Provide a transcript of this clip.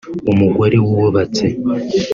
umugore wubatse